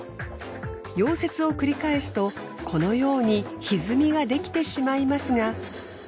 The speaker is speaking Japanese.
溶接を繰り返すとこのように歪みができてしまいますが。